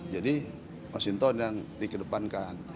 jadi masinton yang dikedepankan